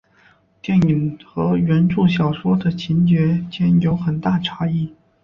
电影和原着小说的故事情节间有很大差异。